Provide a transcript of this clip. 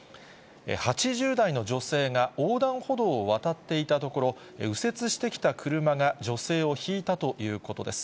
８０代の女性が横断歩道を渡っていたところ、右折してきた車が女性をひいたということです。